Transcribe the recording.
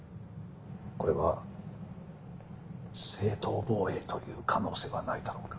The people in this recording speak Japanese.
これは正当防衛という可能性はないだろうか？